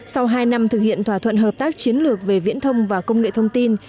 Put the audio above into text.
sau hai năm thực hiện thỏa thuận hợp tác chiến lược về viễn thông và công nghệ thông tin